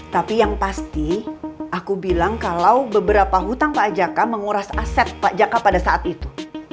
tapi yang pasti aku bilang kalau beberapa hutang pak jaka menguras aset pak jaka pada saat itu